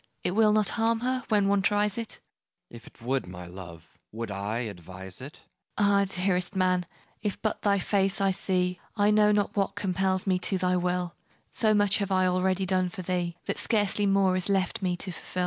It will not harm her, when one tries it? FAUST If 'twould, my love, would I advise it? MARGARET Ah, dearest man, if but thy face I see, I know not what compels me to thy will: So much have I already done for thee, That scarcely more is left me to fulfil.